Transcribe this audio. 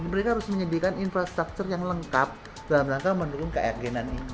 mereka harus menyediakan infrastruktur yang lengkap dalam rangka mendukung keakgenan ini